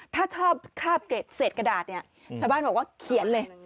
ถ้าชอบคาบเกร็ดเศษกระดาษเนี่ยชาวบ้านบอกว่าเขียนเลย